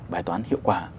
bài toán hiệu quả